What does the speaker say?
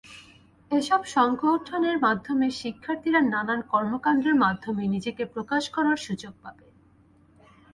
এসব সংগঠনের মাধ্যমে শিক্ষার্থীরা নানান কর্মকাণ্ডের মাধ্যমে নিজেকে প্রকাশ করার সুযোগ পাবে।